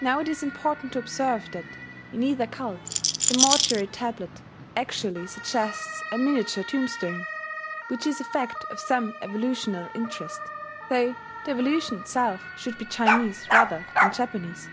Now it is important to observe that, in either cult, the mortuary tablet actually suggests a miniature tombstone which is a fact of some evolutional interest, though the evolution itself should be Chinese rather than Japanese.